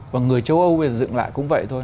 và người châu âu dựng lại cũng vậy thôi